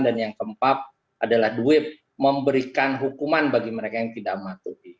dan yang keempat adalah the whip memberikan hukuman bagi mereka yang tidak matuh